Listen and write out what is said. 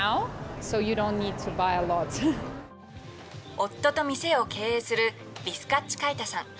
夫と店を経営するヴィスカッチカイタさん。